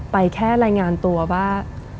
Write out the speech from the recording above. แค่รายงานตัวว่า